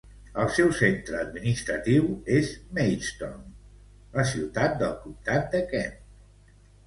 El seu centre administratiu és Maidstone, la ciutat del comtat de Kent.